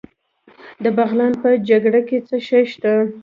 د بغلان په جلګه کې څه شی شته؟